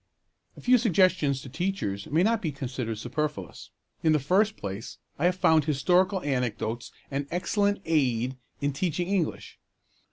A few suggestions to teachers may not be considered superfluous. In the first place, I have found historical anecdotes an excellent aid in teaching English.